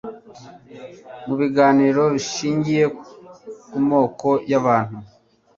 mu biganiro bishingiye ku moko y abahutu